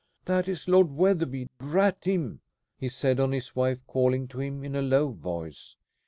"That is Lord Wetherby, drat him!" he said, on his wife calling to him in a low voice.